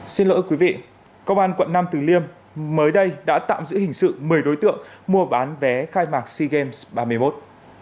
xin lỗi quý vị công an quận nam từ liêm mới đây đã tạm giữ hình sự một mươi đối tượng mua bán vé khai mạc sea games ba mươi một